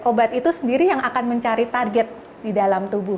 obat itu sendiri yang akan mencari target di dalam tubuh